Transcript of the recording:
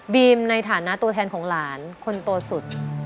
ในฐานะตัวแทนของหลานคนโตสุด